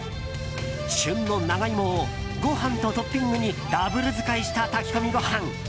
旬の長イモをご飯とトッピングにダブル使いした炊き込みご飯。